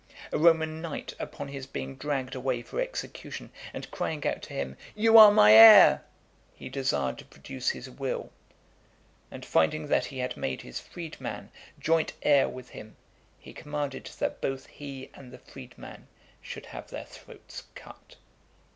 A Roman knight, upon his being dragged away for execution, and crying out to him, "You are my heir," he desired to produce his will: and finding that he had made his freedman joint heir with him, he commanded that both he and the freedman should have their throats cut.